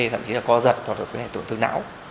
thậm chí là co giật hoặc là có thể tổn thương não